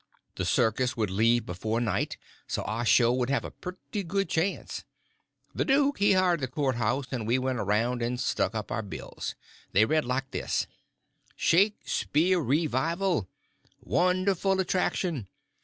The circus would leave before night, so our show would have a pretty good chance. The duke he hired the court house, and we went around and stuck up our bills. They read like this: Shaksperean Revival!!! Wonderful Attraction!